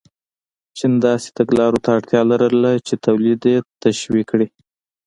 چین داسې تګلارو ته اړتیا لرله چې تولید یې تشویق کړي.